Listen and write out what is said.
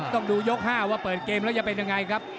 ต้องดูยก๕ว่าเปิดเกมแล้วจะเป็นยังไงครับ